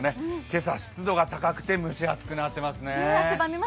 今朝、湿度が高くて蒸し暑くなってますね。